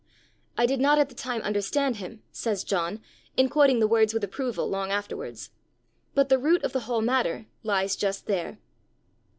'I did not at the time understand him,' says John, in quoting the words with approval long afterwards. But the root of the whole matter lies just there.